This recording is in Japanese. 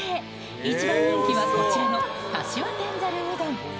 一番人気は、こちらのかしわ天ざるうどん。